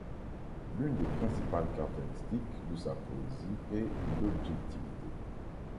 L'une des principales caractéristiques de sa poésie est l'objectivité.